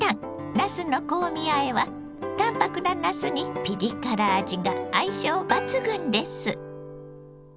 なすの香味あえは淡白ななすにピリ辛味が相性抜群です。